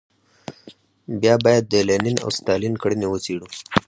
بیا باید د لینین او ستالین کړنې وڅېړو.